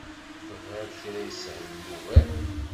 Tebɣiḍ kra isehlen ugar?